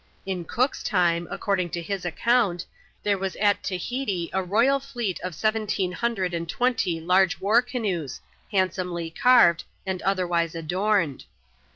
In Cook's time, according to his account, there was at Tahiti, a royal fleet of seventeen hundred and twenty large war canoes, handsomely carved, and otherwise adorned.